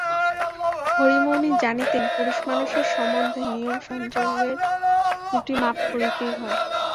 হরিমোহিনী জানিতেন পুরুষমানুষের সম্বন্ধে নিয়মসংযমের ত্রুটি মাপ করিতেই হয়।